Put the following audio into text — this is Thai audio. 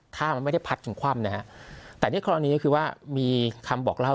ถ้ามันไม่ได้พัดถึงคว่ำแต่ในคณะนี้คือว่ามีคำบอกเล่า